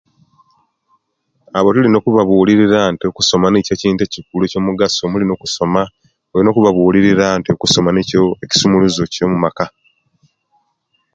Abo tulina okubabulirira nti okusoma nikyo ekintu elikulu ekyomugaso so mulina okusoma nokubabulirira nti okusoma nikyo ekisumuluzo Kyo Maka